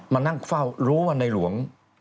มานั่งเฝ้ารู้ว่าในหลวง